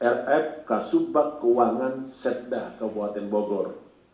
tk kepala bpkad kabupaten bogor